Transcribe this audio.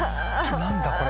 何だ？